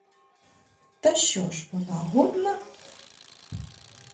Та що ж вона годна?